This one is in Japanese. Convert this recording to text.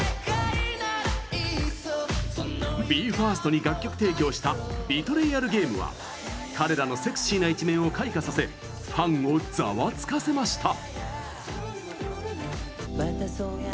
ＢＥ：ＦＩＲＳＴに楽曲提供した「ＢｅｔｒａｙａｌＧａｍｅ」は、彼らのセクシーな一面を開花させファンを、ざわつかせました。